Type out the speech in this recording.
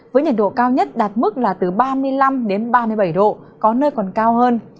với nhiệt độ cao nhất đạt mức là từ ba mươi năm đến ba mươi bảy độ có nơi còn cao hơn